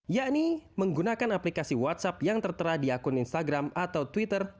yakni menggunakan aplikasi whatsapp yang tertera di akun instagram atau twitter